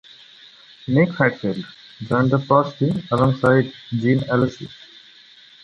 Nick Heidfeld joined the Prost team alongside Jean Alesi.